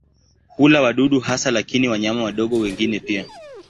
Hula wadudu hasa lakini wanyama wadogo wengine pia.